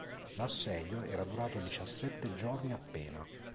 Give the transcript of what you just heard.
L'assedio era durato diciassette giorni appena.